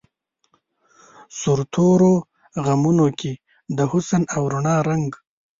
سور تورو غمونو کی د حسن او رڼا رنګ